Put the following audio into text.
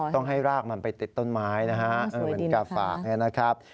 ต้องให้รากมันไปติดต้นไม้นะฮะเหมือนกาฝากเนี่ยนะครับ